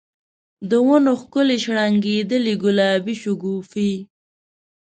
د ونو ښکلي شرنګیدلي ګلابې شګوفي